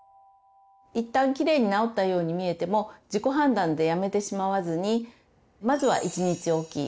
一旦きれいに治ったように見えても自己判断でやめてしまわずにまずは１日おき